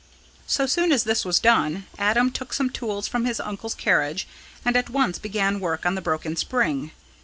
So soon as this was done, Adam took some tools from his uncle's carriage, and at once began work on the broken spring.